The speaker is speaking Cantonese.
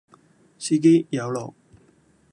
司機有落